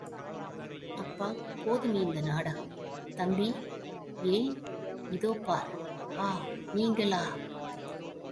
அப்பா, போதும் இந்த நாடகம்! தம்பி! ஏன்! இதோ பார்! ஆ! நீங்களா?